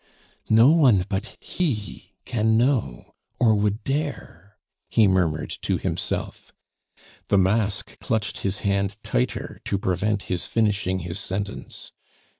"No one but HE can know or would dare " he murmured to himself. The mask clutched his hand tighter to prevent his finishing his sentence.